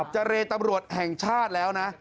เจรตำรวจแห่งชาติแล้วนะ